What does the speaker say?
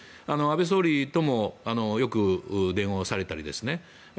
安倍総理ともよく電話をされたりですね。